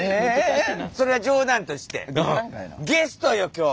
それは冗談としてゲストよ今日！